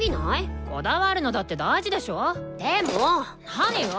何よ！